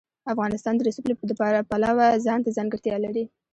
افغانستان د رسوب د پلوه ځانته ځانګړتیا لري.